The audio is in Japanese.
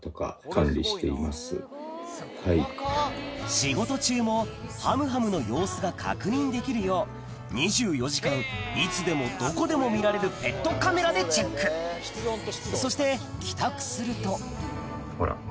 仕事中もはむはむの様子が確認できるよう２４時間いつでもどこでも見られるペットカメラでチェックそして帰宅するとほら。